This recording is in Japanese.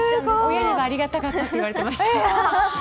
親にはありがたかったと言われてました。